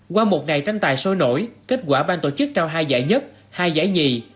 qua một ngày tranh tài sôi nổi kết quả ban tổ chức trao hai giải nhất hai giải nhì